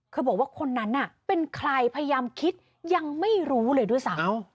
บอกว่าคนนั้นน่ะเป็นใครพยายามคิดยังไม่รู้เลยด้วยซ้ำ